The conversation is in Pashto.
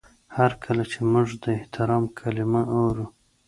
هر کله چې موږ د احترام کلمه اورو.